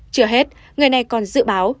chưa hết người này còn dự báo